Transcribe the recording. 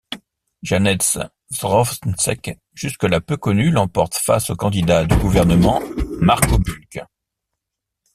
Janez Drnovšek, jusque-là peu connu l'emporte face au candidat du gouvernement Marko Bulc.